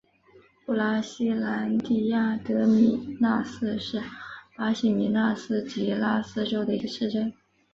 布拉西兰迪亚德米纳斯是巴西米纳斯吉拉斯州的一个市镇。